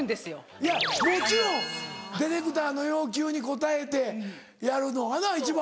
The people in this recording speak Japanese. いやもちろんディレクターの要求に応えてやるのがな一番。